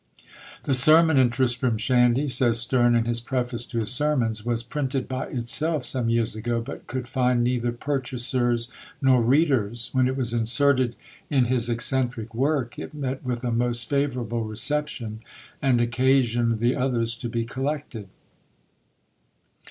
"The sermon in Tristram Shandy" (says Sterne, in his preface to his Sermons) "was printed by itself some years ago, but could find neither purchasers nor readers." When it was inserted in his eccentric work, it met with a most favourable reception, and occasioned the others to be collected.